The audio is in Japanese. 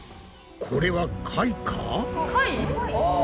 これは貝か！？